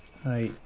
はい。